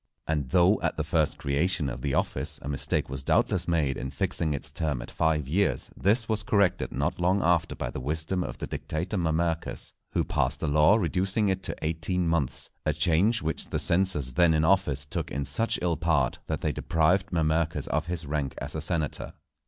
And though, at the first creation of the office, a mistake was doubtless made in fixing its term at five years, this was corrected not long after by the wisdom of the dictator Mamercus, who passed a law reducing it to eighteen months; a change which the censors then in office took in such ill part, that they deprived Mamercus of his rank as a senator.